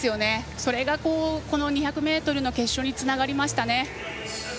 それがこの２００ｍの決勝につながりましたね。